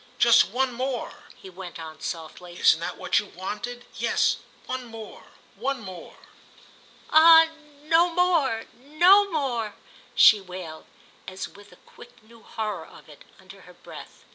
Just one more," he went on, softly—"isn't that what you wanted? Yes, one more, one more." "Ah no more—no more!" she wailed, as with a quick new horror of it, under her breath.